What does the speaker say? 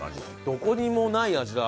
どこにもない味だ。